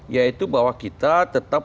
yaitu bahwa kita tetap